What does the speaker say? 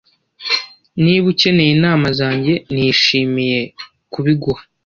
Niba ukeneye inama zanjye, nishimiye kubiguha.